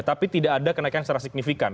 tapi tidak ada kenaikan secara signifikan